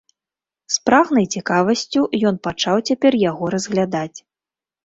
З прагнай цікавасцю ён пачаў цяпер яго разглядаць.